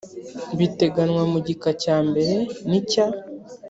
biteganywa mu gika cya mbere n icya